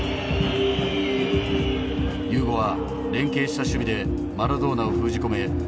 ユーゴは連係した守備でマラドーナを封じ込め